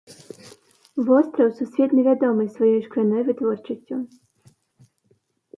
Востраў сусветна вядомы сваёй шкляной вытворчасцю.